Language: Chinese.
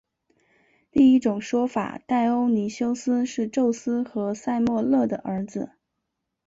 第一种说法戴欧尼修斯是宙斯和塞墨勒的儿子。